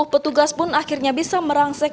dua ratus tiga puluh petugas pun akhirnya bisa merangsek